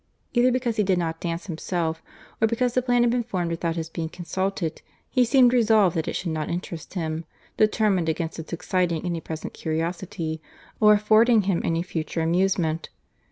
Either because he did not dance himself, or because the plan had been formed without his being consulted, he seemed resolved that it should not interest him, determined against its exciting any present curiosity, or affording him any future amusement.